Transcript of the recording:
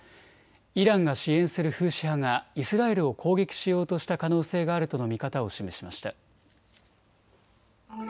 イランが支援するフーシ派がイスラエルを攻撃しようとした可能性があるとの見方を示しました。